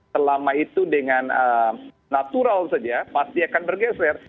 selama itu dengan natural saja pasti akan bergeser